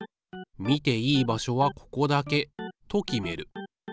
見ていい場所はここだけと決める。